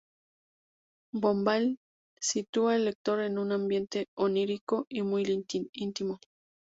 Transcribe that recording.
Bombal sitúa al lector en un ambiente onírico y muy íntimo.